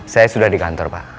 saya sudah di kantor pak